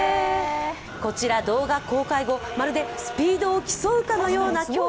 こちら、動画公開後、まるでスピードを競うかのような競演。